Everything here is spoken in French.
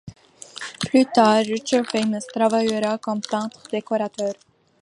Plus tard, Richard Famous travaillera comme peintre-décorateur.